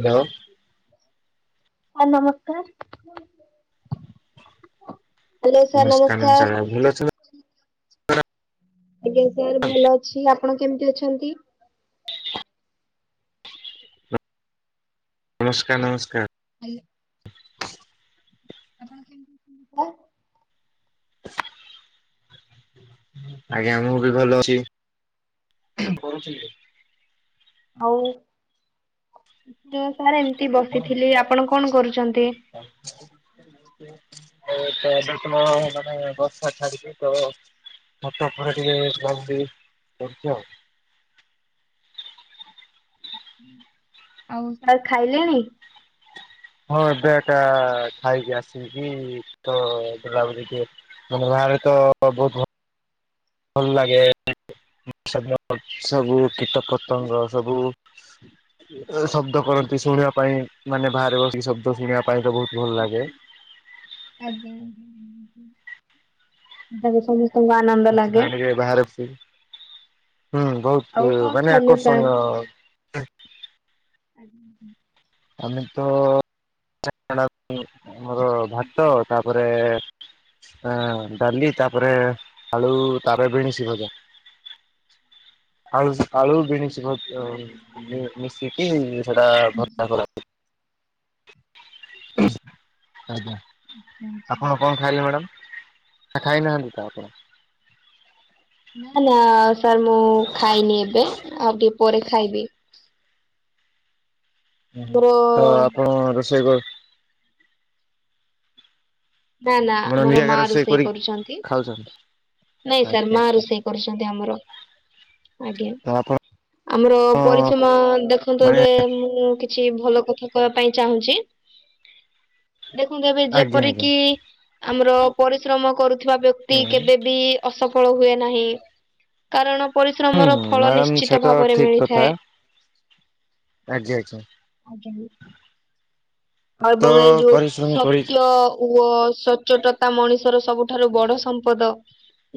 Hello. Sir ନମସ୍କାର। Hello sir ନମସ୍କାର। ଭଲ ଅଛ? ଆଜ୍ଞା ସାର୍ ଭଲ ଅଛି। ଆପଣ କେମିତି ଅଛନ୍ତି? ନମସ୍କାର ନମସ୍କାର। ହାଲୋ। ଆପଣ କେମିତି ଅଛନ୍ତି ସାର୍? ଆଜ୍ଞା ମୁଁ ବି ଭଲ ଅଛି। [unintelligible] ଆଉ ସାର୍ ଏମିତି ତ ବସିଥିଲି। ଆପଣ କଣ କରୁଛନ୍ତି? ଆଉ ତ ଏବେ ତମ ମାନେ ବର୍ଷା ଛାଡିଛି ତ। ଖଟ ଉପରେ ଟିକେ [unintelligible] ବସିଛି ଆଉ। ଆଉ ସାର୍ ଖାଇଲେଣି? ହଁ ଏବେ ଏଟା ଖାଇକି ଆସିକି ତ ବୁଲାବୁଲି ଟିକେ ମାନେ ବାହାରେ ତ ବହୁତ ଭଲ। ଭଲ ଲାଗେ ସବୁ ସବୁ କୀଟ ପତଙ୍ଗ ସବୁ। ଶବ୍ଦ କରନ୍ତି ଶୁଣିବା ପାଇଁ ମାନେ ବାହାରେ ବସିକି ଶବ୍ଦ ଶୁଣିବା ପାଇଁ ତ ବହୁତ ଭଲ ଲାଗେ। ଆଞା। [unintelligible] ଭମା ନନ୍ ଖାଇଲେ ଟିକେ ବାହାରେ ବୁଲି ହୁଁ ବହୁତ ଆଉ କଣ ମାନେ ଖାଇଲେ ସାର୍? ଆକର୍ଷଣୀୟ [unintelligible] ଆମେ ତ [unintelligible] ଆମର ଭାତ ତାପରେ ଡାଲି ତାପରେ ଆଳୁ ତାର ବିଣଶୀ ଭଜା। ଆଳୁ ଆଳୁ ବିନିସ୍ ଭ ମିଶିକି ସେଟା ଭ ଆଜ୍ଞା ଆପଣ କଣ ଖାଇଲେ ମ୍ୟାଡମ୍? ନା ଖାଇନାହାନ୍ତି ତ ଆପଣ? ନା ନା ସାର୍ ମୁଁ ଖାଇନି ଏବେ, ଆଉ ଟିକେ ପରେ ଖାଇବି। ହୁଁ ମୋର ତ ଆପଣ ରୋଷେଇ କ ନା ନା ଆପଣ ମୋର ନିଜେ ଏକା ମା ରୋଷେଇ କରିକି କରୁଛନ୍ତି। ଖାଉଛନ୍ତି ନାଇଁ ସାର୍ ଆଜ୍ଞା ମା ଆଜ୍ଞା ରୋଷେଇ କରୁଛନ୍ତି ଆମର। ଆଜ୍ଞା ତ ଆପଣ ଆମର ପରିଶ୍ରମ ଦେଖନ୍ତୁ ମାନେ ଏବେ ମୁଁ କି କିଛି ଭଲ କଥା କହିବା ପାଇଁ ଚାହୁଁଛି ଦେଖନ୍ତୁ ଏବେ ଆଜ୍ଞା ଯେପରି ଆଜ୍ଞା କୁ ଆମର ପରିଶ୍ରମ କରୁଥିବା ବ୍ୟକ୍ତି ହୁଁ କେବେ ବି ଅସଫଳ ହୁଏ ନାହିଁ। କାରଣ ହୁଁ ପରିଶ୍ରମର ଫଳ ମ୍ୟାଡ଼ାମ ସେ ନିଶ୍ଚିତ ତ ଭାବରେ ଠିକ କଥା ମିଳିଥାଏ। ଆଜ୍ଞା ଆଜ୍ଞା। ଆଜ୍ଞା। ଆଉ ତ ଏବଂ ଏଇ ଯୋଉ ପରିଶ୍ରମ କରି ସତ୍ୟ ଓ ସଚ୍ଚୋଟତା ମଣିଷର ସବୁଠାରୁ ବଡ ସମ୍ପଦ।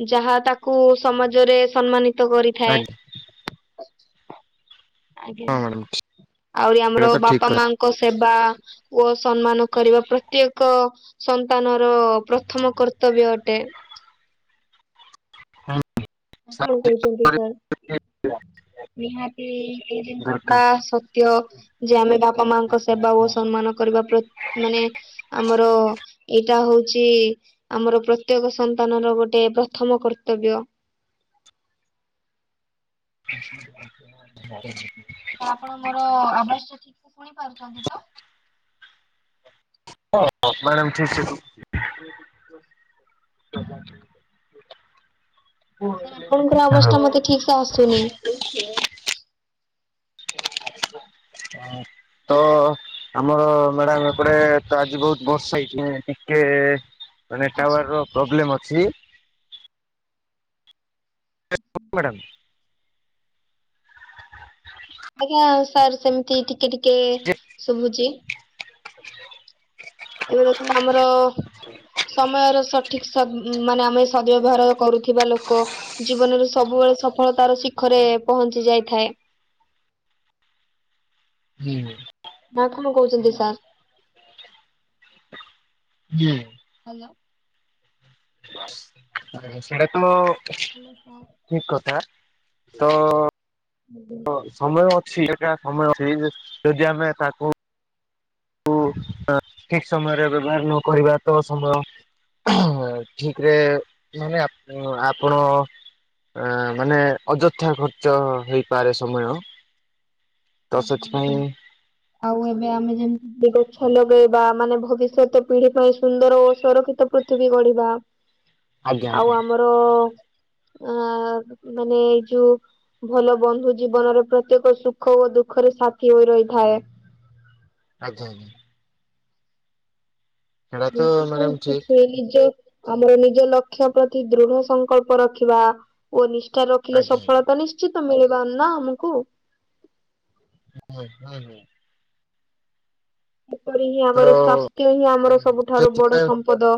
ଯାହା ତାକୁ ସମାଜରେ ସମ୍ମାନି ତ କରିଥାଏ ଆଜ୍ଞା ଆଜ୍ଞା। ହଁ ମ୍ୟାଡ଼ାମ ଆହୁରି ଆମର ସେଇଟା ତ ଠିକ ବାପା କଥା। ମାଙ୍କ ସେବା ଓ ସମ୍ମାନ କରିବା ପ୍ରତ୍ୟେକ ସନ୍ତାନ ର ପ୍ରଥମ କର୍ତ୍ତବ୍ୟ ଅଟେ। କଣ କହୁଛନ୍ତି ସାର୍? ନିହାତି ଏଇ ଜିନିଷ ଟା ଦରକାର ସତ୍ୟ। ଯେ ଆମେ ବାପା ମାଙ୍କ ସେବା ଓ ସମ୍ମାନ କରିବା ମାନେ ଆମର ଏଇଟା ହଉଛି ଆମର ପ୍ରତ୍ୟେକ ସନ୍ତାନ ର ଗୋଟେ ପ୍ରଥମ କର୍ତ୍ତବ୍ୟ। ମରିଯିବି। ତ ଆପଣ ମୋର ଆବାଜଟା ଠିକସେ ଶୁଣି ପାରୁଛନ୍ତି ତ। ହଁ ହଁ ମ୍ୟାଡ଼ାମ ଠିକସେ ଶୁଭୁଚି। Sir hello. ଆପଣଙ୍କର ଆବାଜ ଟା ମତେ ଠିକ ସେ ଆସୁନି। [inaudible] ହ ତ ଆମର ମ୍ୟାଡାାମ ଏପଟେ ତ ଆଜି ବହୁତ ବର୍ଷା ହେଇଛି ଟିକେ ଆଚ୍ଛା ନେଟୱାର୍କ ର ପ୍ରୋବ୍ଲେମ ଅଛି। [unintelligible] ମ୍ୟାଡ଼ାମ। ଆଜ୍ଞା ସାର୍ ସେମିତି ଟିକେ ଟିକେ ଶୁଭୁଛି। ଏବେ ଦେଖନ୍ତୁ ଆମର ସମୟର ସଠିକ ସ ମାନେ ଆମେ ସଦବ୍ୟବହାର କରୁଥିବା ଲୋକ ଜୀବନରେ ସବୁବେଳେ ସଫଳତାର ଶିଖରେ ପହଞ୍ଚି ଯାଇଥାଏ। ହୁଁ। ନା କଣ କହୁଛନ୍ତି ସାର୍। ହଁ। ହ୍ୟାଲୋ। ସେଇଟା ତ ହାଲୋ ସାର୍ ଠିକ କଥା ତ ସମୟ ଅଛି ଏଟା ସମୟ ଅଛି ଯଦି ଆମେ ତାକୁ ଠିକ ସମୟରେ ବ୍ୟବହାର ନ କରିବା ତ ସମୟ ଠିକ ରେ ମାନେ ଆପଣ ଅ ମାନେ ଅଯଥା ଖର୍ଚ୍ଚ ହେଇପାରେ ସମୟ। ତ ସେଥିପାଇଁ [inaudible] ଆଉ ଏବେ ଆମେ ଯେମତି ଗଛ ଲଗେଇବା ମାନେ ଭବିଷ୍ୟତ ପିଢି ପାଇଁ ସୁନ୍ଦର ଓ ସୁରକ୍ଷିତ। ପୃଥିବୀ ଗଢ଼ିବା। [unintelligible] ଆଜ୍ଞା ଆଉ ଆମର। ଅ ମାନେ ଏଇ ଯୋଉ ଭଲ ବନ୍ଧୁ ଜୀବନର ପ୍ରତ୍ୟେକ ସୁଖ ସୁଖ ଓ ଦୁଃଖରେ ସାଥି ହୋଇ ରହିଥାଏ। ଆଜ୍ଞା। ସେଇଟା ତ ମ୍ୟାଡାମ ଠିକ [inaudible] ଆମର ନିଜ ଲକ୍ଷ୍ୟ ପ୍ରତି ଦୃଢ ସଂକଳ୍ପ ରଖିବା ଓ ନିଷ୍ଠା ରଖିଲେ ଆଜ୍ଞା ସଫଳତା ନିଶ୍ ନିଶ୍ଚିତ ମିଳିବ ନା ଆମକୁ। ହୁଁ ହୁଁ ହୁଁ। ସେପରି ହିଁ ତ ଆମର ସ୍ୱାସ୍ଥ୍ୟ ହିଁ ଆମର ସବୁଠାରୁ ବଡ ସେଥିପାଇଁ ସ ସମ୍ପଦ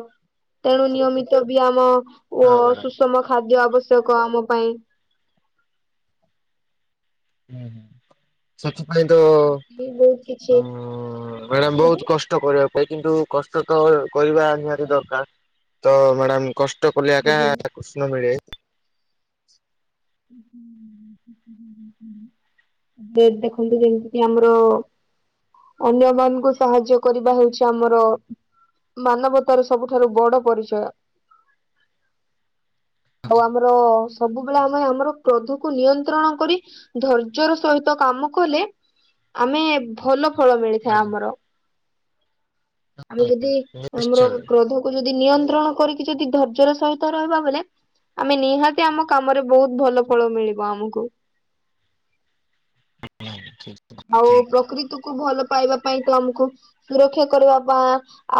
ତେଣୁ ନିୟମିତ ବିୟାମ ଓ ହଁ ମ୍ୟାଡ଼ାମ ସୁଷମ ଖାଦ୍ୟ ଆବଶ୍ୟକ। ଆବଶ୍ୟକ ଆମ ପାଇଁ। ହୁଁ ସେଥିପାଇଁ ତ ଏ ବହୁତ କିଛି ମ୍ୟାଡ଼ାମ ବହୁତ କଷ୍ଟ ଆଜ୍ଞା। କଷ୍ଟ କରିବା ପାଇଁ କିନ୍ତୁ କଷ୍ଟ ତ କରିବା ନିହାତି ଦରକାର ତ ମ୍ୟାଡ଼ାମ କଷ୍ଟ କଷ୍ଟ କଲେ ଆକା କୃଷ୍ଣ ମିଳେ। [unintelligible] ଯେ ଦେଖନ୍ତୁ ଯେମିତି ଆମର। ଅନ୍ୟ ମାନଙ୍କୁ ସାହାଯ୍ୟ କରିବା ହଉଛି ଆମର। ମାନବ ତାର ସବୁଠାରୁ ବଡ ପରିଚୟ। [inaudible] ଆଉ ଆଜ୍ଞା ଆମର ସବୁବେଳେ ଆମ ଆମେ ଆମର କ୍ରୋଧକୁ ନିୟନ୍ତ୍ରଣ କରି ଧର୍ଯ୍ୟର ସହିତ କାମ କଲେ। ଆମେ। ଭଲ ଫଳ ମିଳିଥାଏ ଆଜ୍ଞା ଆମର, ଆମେ ଯଦି ଆମର ନିଶ୍ଚୟ କ୍ରୋଧ ଯଦି ନିୟନ୍ତ୍ରଣ କରି ଯଦି ଧର୍ଯ୍ୟର ସହିତ ରହିବା ବଲେ ଆମେ ନିହାତି ଆମ କାମରେ ବହୁତ ଭଲ ଫଳ ମିଳିବ ଆମକୁ। [unintelligible] ଆଉ ପ୍ରକୃତିକୁୁ ଭଲ ପାଇବା ପାଇଁ ତ ଆମକୁ ସୁରକ୍ଷା କରିବା ବା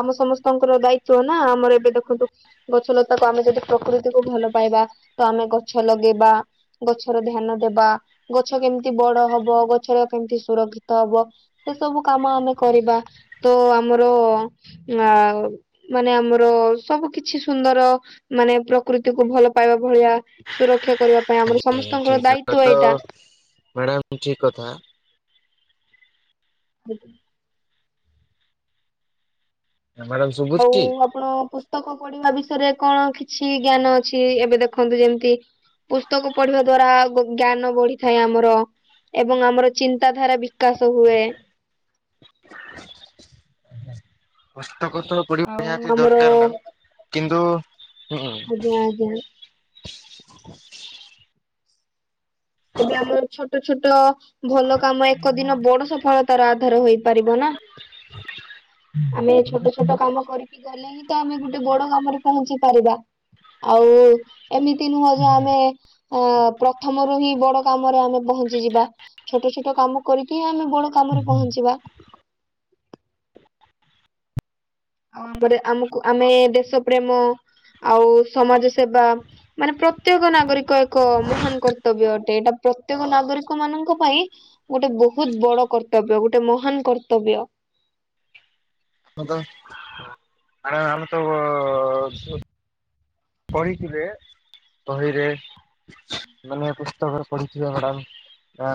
ଆମ ସମସ୍ତଙ୍କର ଦାୟିତ୍ୱ ନା ଆମର ଏବେ ଦେଖନ୍ତୁ। ଗଛଲତାକୁ ଆମେ ଯଦି ପ୍ରକୃତିକୁ ଭଲ ପାଇବା ତ ଆମେ ଗଛ ଲଗେଇବା। ଗଛର ଧ୍ୟାନ ଦବା ଗଛ କେମିତି ବଡ ହବ ଗଛର କେମିତି ସୁରକ୍ଷିତ ହବ ସେ ସବୁ କାମ ଆମେ କରିବା ତ ଆମର। ଆଉ ମାନେ ଆମର ସବୁ କିଛି ସୁନ୍ଦର ମାନେ ପ୍ରକୃତିକୁୁ ଭଲ ପାଇବା ଭଳିଆ। ସୁରକ୍ଷା କରିବା ପାଇଁ ଆମର ସମସ୍ତଙ୍କର ସେଇଟା ଦାୟିତ୍ଵ ଏଇଟା। ଉଚିତ୍ କଥା। [unintelligible] [unintelligible] ଆଉ ଆପଣ ପୁସ୍ତକ ପଢିବା ବିଷୟରେ କଣ କିଛି ଜ୍ଞାନ ଅଛି ଏବେ ଦେଖ। ଦେଖନ୍ତୁ ଯେମିତି ପୁସ୍ତକ ପଢିବା ଦ୍ଵାରା ଜ୍ଞାନ ବଢିଥାଏ ଆମର ଏବଂ ଆମର ଚିନ୍ତାଧାରା ବି ବିକାଶ ହୁଏ। ପୁସ୍ତକ ସହ। ପଢ଼ିବା ଆଉ ନିହାତି ଆମର ଦରକାର ନା କିନ୍ତୁ। ଆଜ୍ଞା ଆଜ୍ଞା ଏବେ ଆମର ଛୋଟ ଛୋଟ। ଭଲ କାମ ଏକ ଦିନ ବଡ ସଫଳତାର ଆଧାର ହେଇପାରିବ ନା। ଆମେ ଛୋଟ ଛୋଟ କାମ କରି ଗଲେ ହିଁ ତ ଆମେ ଗୋଟେ ବଡ କାମରେ ପହଞ୍ଚି ପାରିବା ଆଉ ଏମିତି ନୁହଁ ଯେ ଆମେ ଅ ପ୍ରଥମରୁ ହିଁ ବଡ କାମରେ ଆମେ ପହଞ୍ଚିଯିବା ଛୋଟ ଛୋଟ କାମ କରିକି ହିଁ ଆମେ ବଡ କାମରେ ପହଞ୍ଚିବା। ଆଉ ଆମର ଆମକୁ ଆମେ ଦେଶ ପ୍ରେମ ଆଉ ସମାଜ ସେବା। ମାନେ ପ୍ରତ୍ୟେକ ନାଗରିକ ଏକ ମହାନ କର୍ତ୍ତବ୍ୟ ଅଟେ ଏଇଟା ପ୍ରତ୍ୟେକ ନାଗରିକ ମାନଙ୍କ ପାଇଁ ଗୋଟେ ବହୁତ ବଡ କର୍ତ୍ତବ୍ୟ ଗୋଟେ ମହାନ କର୍ତ୍ତବ୍ୟ। [unintelligible] ଆ ଆମେ ତ ପଢିଥିବେ ବହିରେ ମାନେ ପୁସ୍ତକରେ ପଢିଥିବେ ମ୍ୟାଡାମ। ଆ ଆ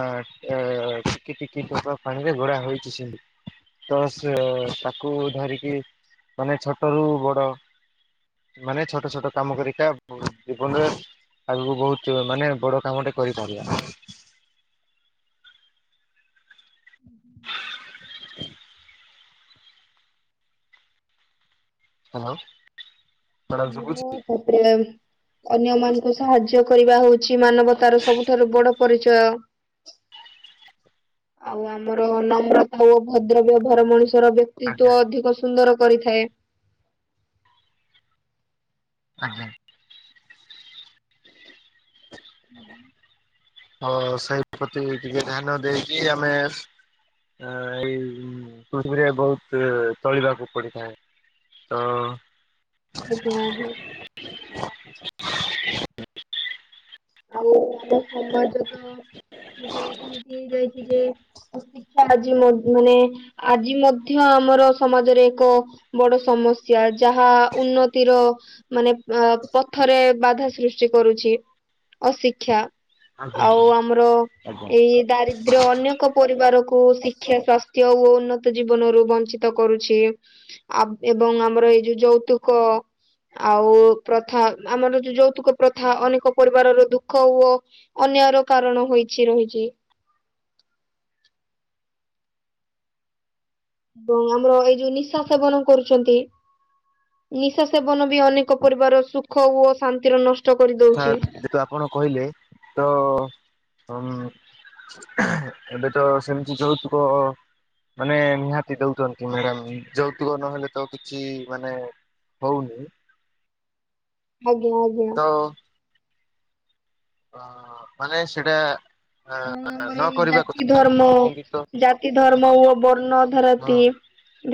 ଟିକେ ଟିକି ଟୋପ ପାଣିରେ ଗଢ଼ା ହେଇଛି ସିନ୍ଧୁ। ତ ସେ ତାକୁ ଧରିକି ମାନେ ଛୋଟରୁୁ ବଡ ମାନେ ଛୋଟ ଛୋଟ କାମ କରିକା ଜୀବନରେ ଆଗକୁ ବହୁତ ମାନେ ବଡ କାମଟେ କରିପାରିବା। ହୁଁ ହୁଁଁ। ହ୍ୟାଲୋ। ମ୍ୟାଡ଼ାମ ଶୁଭୁଛି? ଆ ତାପରେ ଅନ୍ୟ ମାନଙ୍କୁ ସାହାଯ୍ୟ କରିବା ହଉଛି ମାନବତାର ସବୁଠାରୁ ବଡ ପରିଚୟ। ହ ଆଉ ଆମର ନମ୍ରତା ଓ ଭଦ୍ର ବ୍ୟବହାର ମଣିଷର ବ୍ୟକ୍ତି ଆଜ୍ଞା ବ୍ୟକ୍ତିତ୍ୱ ଅଧିକ ସୁନ୍ଦର କରିଥାଏ। ଆଜ୍ଞା ହୁଁ ହ ସେଇ ପ୍ରତି ଟିକେ ଧ୍ୟାନ ଦେଇକି ଆମେ ଆ ଏଇ ପୃଥିବୀରେ ବହୁତ ଚଳିବାକୁ ପଡିଥାଏ। ତ ଆଜ୍ଞା ଆଜ୍ଞା। ଆଉ ଆମ ସମାଜତ ଗୋଟେ ଏମିତି ହେଇ ଯାଇଛି ଯେ ପ୍ର ଶିକ୍ଷା ଆଜି ମାନେ ଆଜି ମଧ୍ୟ ଆମର ସମାଜରେ ଏକ ବଡ ସମସ୍ୟା ଯାହା ଉନ୍ନତିର ମାନେ ଅ ପଥରେ ବାଧା ସୃଷ୍ଟି କରୁଛି। ଅଶିକ୍ଷା ଆଜ୍ଞା ଆଉ ଆଜ୍ଞା ଆମର ଆଜ୍ଞା। ଏଇ ଦାରିଦ୍ର। ଦ୍ର ଅନେକ ପରିବାରକୁ ଶିକ୍ଷା ସ୍ୱାସ୍ଥ୍ୟ ଓ ଉନ୍ନତ ଜୀବନରୁ ବଞ୍ଚିତ କରୁଛି। ଆ ଏବଂ ଆମର ଏଇ ଯୋଉ ଯୌତୁକ ଆଉ ପ୍ରଥା ଆମର ଯୋଉ ଯୌତୁକ ପ୍ରଥା ଅନେକ ପରିବାରର ଦୁଃଖ ଓ ଅନ୍ୟର କାରଣ ହୋଇଛି ରହିଛି। ଏବଂ ଆମର ଏଇ ଯୋଉ ନିଶା ସେବନ କରୁଛନ୍ତି। ନିଶା ସେବନ ବି ଅନେକ ପରିବାର ସୁଖ ଓ ଶାନ୍ତିର ନଷ୍ଟ ହଥା କରିଦଉଛି ଯେ ଆପଣ କହିଲେ ତ ଉ ଏବେଟ ସେମିତି ଯୌତୁକ ମାନେ ନିହାତି ଦଉଛନ୍ତି ମ୍ୟାଡାମ ଯୌତୁକ ନହେଲେ ତ କିଛି ମାନେ ହଉନି। ଆଜ୍ଞା ଆଜ୍ଞା। ହଁ। ଅ- ଅ-ଅ-ଅ -ମାନେ ସେଟା। ହଁ ଆମର ଏଇ ଜାତି ଧର୍ମ, କିନ୍ତୁ ତ ଜାତି ଧର୍ମ ଓ ବର୍ଣ୍ଣ ଧାରତି। ହଁ।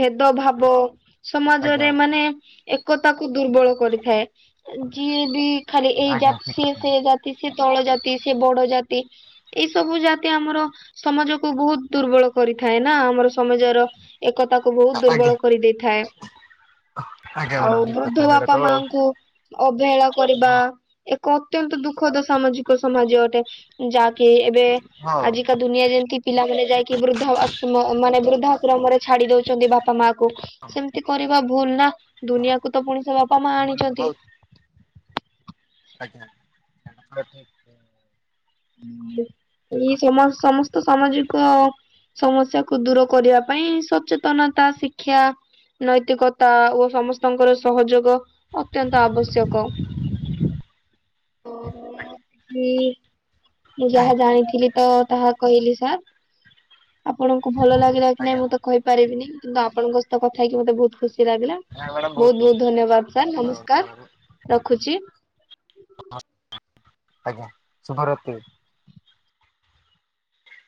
ଭେଦଭାବ ଆଜ୍ଞା ସମାଜରେ ଆଜ୍ଞା ମାନେ ଏକତାକୁ ଦୁର୍ବଳ କରିଥାଏ। ଯିଏ ବି ଖାଲି ଏ ଆଜ୍ଞା ଠିକ୍ ଜାତି କଥା। ସେ ଯା କି ସେ ତଳ ଜାତି ସେ ବଡ ଜାତି। ଏଇ ସବୁ ଜାତି ଆମର ସମାଜକୁୁ ବୋହୁତ୍ ଦୁର୍ବଳ କରିଥାଏ ନା ଆମର ସମାଜର ଏକତାକୁୁ ବୋହୁତ୍ ଆଜ୍ଞା ଦୁର୍ବଳ କରିଦେଇଥାଏ। ଆଜ୍ଞା ଆଉ ମ୍ୟାଡ଼ାମ ଠିକ ବୃଦ୍ଧ କଥା ସେଇଟା ବାପା, ତ ମାଙ୍କୁ ଅବହେଳା କରିବା ଏକ ଅତ୍ୟନ୍ତ ଦୁଃଖଦ ସାମାଜିକ ସମାଜ ଅଟେ ଯା କି ଏବେ ହଁ ଆଜିକା ଦୁନିଆ ଯେମିତି ପିଲାମାନେ ଯାଇକି ବୃଦ୍ଧା ଆଶ୍ରମ ମାନେ ବୃଦ୍ଧା ଆଶ୍ରମ ରେ ଛାଡି ଦୋଉଛନ୍ତି ବାପା ମା କୁ। ସେମିତି କରିବା ଭୁଲ ନା ହଁ। ଦୁନିଆକୁ ତ ପୁଣି ସେ ବାପା ମା ଭୁଲ ଆଣିଛନ୍ତି। ବହୁତ ଆଜ୍ଞା। ଠିକ ଏଇ କଥା। ସମାଜ ସମସ୍ତ ସାମାଜିକ। ସମସ୍ୟାକୁ ଦୂର କରିବା ପାଇଁ ସଚେତନତା ଶିକ୍ଷା। ନୈତିକତା ଓ ସମସ୍ତଙ୍କର ସହଯୋଗ ଅତ୍ୟନ୍ତ ଆବଶ୍ୟକ। [unintelligible] ହୁଁ ମୁଁ କି ଯାହା ଜାଣିଥିଲି ତ ତାହା କହିଲି ସାର୍। ଆପଣଙ୍କୁ ଭଲ ଲାଗିଲା କି ନାଇଁ ଆଜ୍ଞା ମୁଁ ତ କହିପାରିବିନି କିନ୍ତୁ ଆପଣଙ୍କ ସହ କଥାହେଇକି ମତେ ବୋହୁତ୍ ଖୁସି ଲାଗିଲା। ମ୍ୟାଡ଼ାମ ବୋହୁତ୍ ବହୁତ ବୋହୁତ୍ ଧନ୍ୟବାଦ ସାର୍ ନମସ୍କାର୍ ବହୁତ ରଖୁଛି। ଆଜ୍ଞା ଶୁଭରାତ୍ରି।